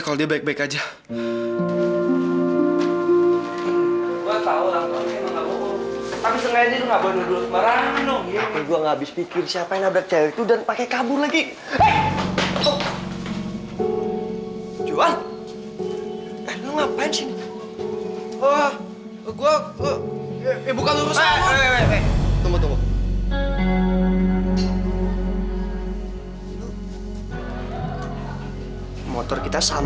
kalau lo mau nyelidikin rumah blok f nomor empat